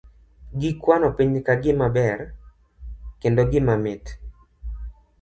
Gikwano piny ka gimaber, kendo gima mit.